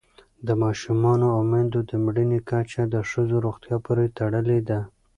د ماشومانو او میندو د مړینې کچه د ښځو روغتیا پورې تړلې ده.